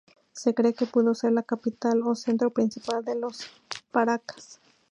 Se cree que pudo ser la capital o centro principal de los paracas.